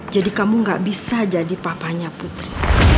jadi kamu gak bisa jadi papanya putri